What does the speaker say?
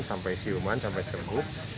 sampai siuman sampai serbuk